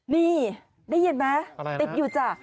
นี่ได้ยินไหมติดอยู่จ้ะ